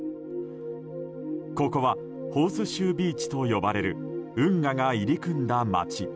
ここはホースシュービーチと呼ばれる運河が入り組んだ街。